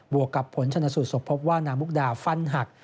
วกกับผลชนสูตรศพพบว่านางมุกดาฟันหัก